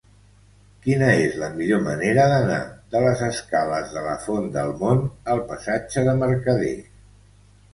Quina és la millor manera d'anar de les escales de la Font del Mont al passatge de Mercader?